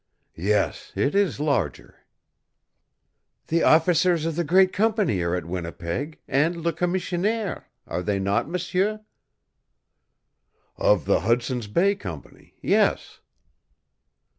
"Yes, it is larger." "The officers of the great company are at Winnipeg, and Le Commissionaire, are they not, m'sieur?" "Of the Hudson's Bay Company yes."